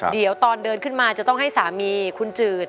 เดี๋ยวตอนเดินขึ้นมาจะต้องให้สามีคุณจืด